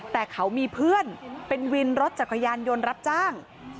แต่เขามีเพื่อนเป็นวินรถจักรยานยนต์รับจ้าง